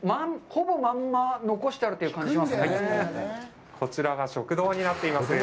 ほぼまんま残してあるという感じがしますね。